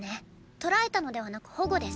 捕らえたのではなく保護です。